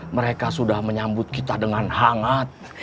mereka sudah menyambut kita dengan hangat